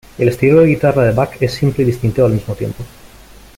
El estilo de guitarra de Buck es simple y distintivo al mismo tiempo.